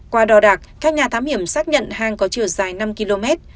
qua đò đạc các nhà thám hiểm xác nhận hang có chiều dài năm km